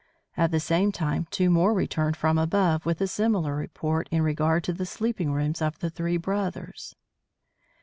At the same time two more returned from above with a similar report in regard to the sleeping rooms of the three brothers.